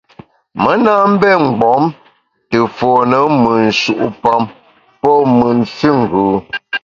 Me na mbé mgbom te fone mùt nshu’pam pô mùt füngù.